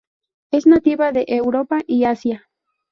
Es nativa de Europa y Asia.